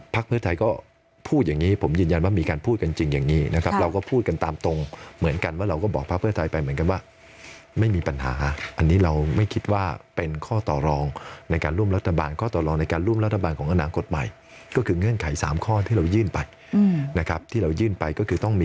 เพื่อไทยก็พูดอย่างนี้ผมยืนยันว่ามีการพูดกันจริงอย่างนี้นะครับเราก็พูดกันตามตรงเหมือนกันว่าเราก็บอกพักเพื่อไทยไปเหมือนกันว่าไม่มีปัญหาอันนี้เราไม่คิดว่าเป็นข้อต่อรองในการร่วมรัฐบาลข้อต่อรองในการร่วมรัฐบาลของอนาคตใหม่ก็คือเงื่อนไข๓ข้อที่เรายื่นไปนะครับที่เรายื่นไปก็คือต้องมี